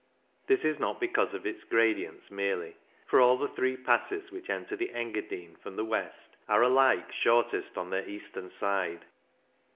This is not because of its gradients merely, for all the three passes which enter the Engadine from the west are alike shortest on their eastern side.